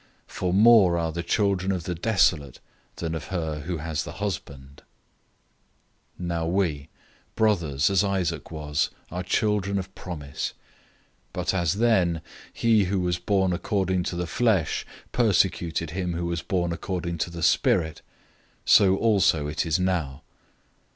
For more are the children of the desolate than of her who has a husband."{Isaiah 54:1} 004:028 Now we, brothers, as Isaac was, are children of promise. 004:029 But as then, he who was born according to the flesh persecuted him who was born according to the Spirit, so also it is now.